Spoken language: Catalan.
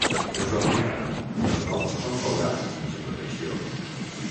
És ovípar i els ous són colgats sense protecció.